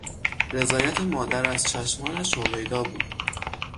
رضایت مادر از چشمانش هویدا بود.